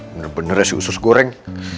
bener bener ya si usus goreng